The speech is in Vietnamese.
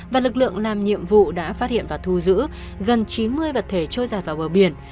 và lực lượng làm nhiệm vụ đã phát hiện và thu giữ gần chín mươi vật thể trôi giặt vào bờ biển